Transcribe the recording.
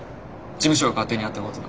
事務所が勝手にやったことだ。